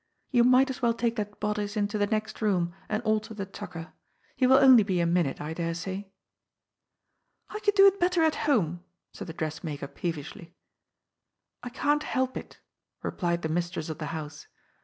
You might as well take that bodice into the next room and alter the tucker. He will only be a minute, I dare say." '^I could do it better at home," said the dressmaker peevishly. ^' I can't help it," replied the mistress of the house.